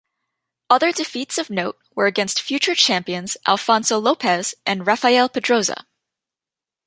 Other defeats of note were against future champions Alfonso Lopez and Rafael Pedroza.